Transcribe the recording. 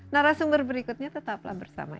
narasumber berikutnya tetaplah bersama